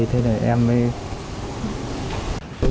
thế để em mới